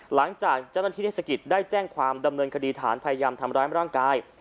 หลังจากเจ้าหน้าที่เทศกิจได้แจ้งความดำเนินคดีฐานพยายามทำร้ายร่างกาย